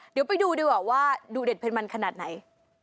เดี๋ยวไปดูดีกว่าว่าดูเด็ดเผ็ดมันขนาดไหน